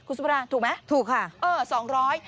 คุณซุปดาถูกไหมถูกค่ะเออสองร้อย